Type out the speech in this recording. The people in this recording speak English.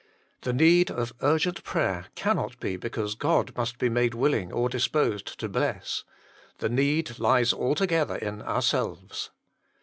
The need of urgent prayer cannot be because God must be made willing or disposed to bless: the need lies altogether in ourselves.